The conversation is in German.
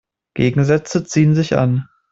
Gegensätze ziehen sich an.